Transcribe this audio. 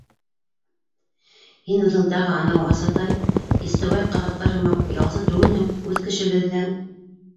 Һин үҙең тағы анау Асатай, Истебай ҡаҙаҡтар һымаҡ ялсы түгелһең, үҙ кешебеҙһең.